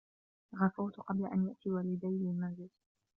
غفوت قبل أن يأتي والدي للمنزل.